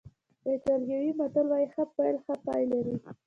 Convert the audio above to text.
ایټالوي متل وایي ښه پیل ښه پای لري.